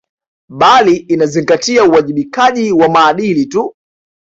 Bali inazingatia uwajibikaji wa maadili tu